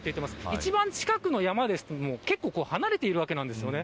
一番近くの山でも結構離れているわけなんですね。